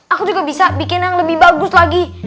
aku juga bisa bikin yang lebih bagus lagi